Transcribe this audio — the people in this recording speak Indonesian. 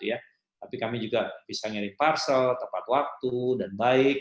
tapi kami juga bisa ngeri parcel tepat waktu dan baik